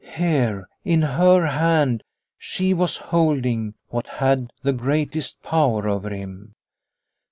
Here, in her hand, she was holding what had the greatest power over him.